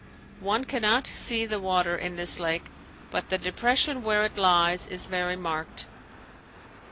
One cannot see the water in this lake, but the depression where it lies is very marked.